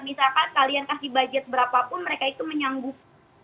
misalkan kalian kasih budget berapapun mereka itu menyanggup